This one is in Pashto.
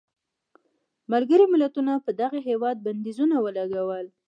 ملګرو ملتونو پر دغه هېواد بندیزونه ولګول.